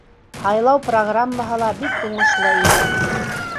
Һайлау программаһы ла бик уңышлы ине.